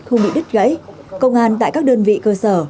không bị đứt gãy công an tại các đơn vị cơ sở